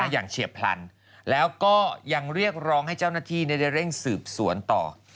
เฉียบพลันแล้วก็ยังเรียกร้องให้เจ้าหน้าที่ได้เร่งสืบสวนต่อ